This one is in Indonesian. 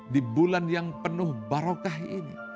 di bulan yang penuh barokah ini